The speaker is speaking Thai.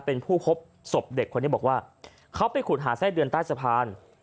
เป็นผู้พบศพเด็กคนนี้บอกว่าเขาไปขุดหาไส้เดือนใต้สะพาน